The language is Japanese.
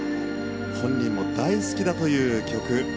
本人も大好きだという曲。